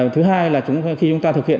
thứ hai là khi chúng ta thực hiện